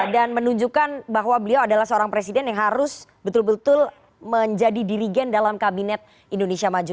dan menunjukkan bahwa beliau adalah seorang presiden yang harus betul betul menjadi dirigen dalam kabinet indonesia maju